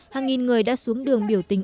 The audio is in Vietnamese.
hàng nghìn người đã xuống đường biểu tình